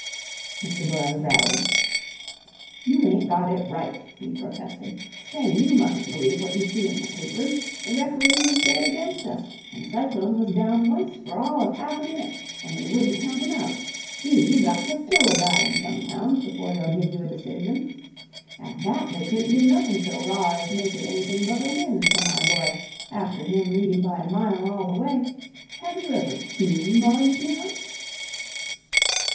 Mr. Burrowes rallies. "You ain't got it right" he protested. "Say, you mustn't believe what you see in the papers. The referee was dead against us, and Cyclone was down once for all of half a minute and they wouldn't count him out. Gee! You got to kill a guy in some towns before they'll give you a decision. At that, they couldn't do nothing so raw as make it anything but a win for my boy, after him leading by a mile all the way. Have you ever seen Bugs, ma'am?"